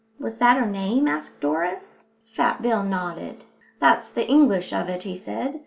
"Was that her name?" asked Doris. Fat Bill nodded. "That's the English of it," he said.